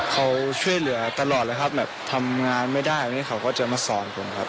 เขาช่วยเหลือตลอดเลยครับแบบทำงานไม่ได้วันนี้เขาก็จะมาสอนผมครับ